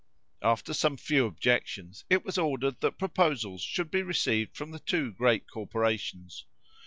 After some few objections, it was ordered that proposals should be received from the two great corporations.